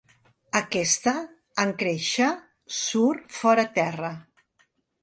Aquesta, en créixer, surt fora terra.